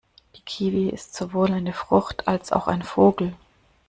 Die Kiwi ist sowohl eine Frucht, als auch ein Vogel.